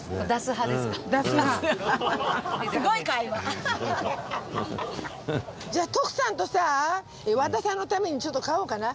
アハハ。じゃあ徳さんとさ和田さんのためにちょっと買おうかな。